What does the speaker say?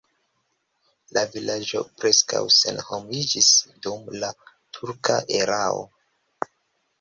La vilaĝo preskaŭ senhomiĝis dum la turka erao.